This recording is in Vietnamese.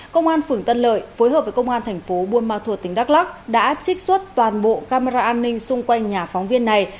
công an phường tân lợi phối hợp với công an thành phố buôn ma thuột tỉnh đắk lắc đã trích xuất toàn bộ camera an ninh xung quanh nhà phóng viên này